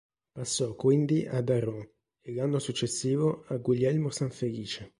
Passò quindi a D'Arot e l'anno successivo a Guglielmo Sanfelice.